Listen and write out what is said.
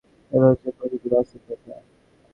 এইগুলোই হচ্ছে প্রকৃতির বাস্তব কথা।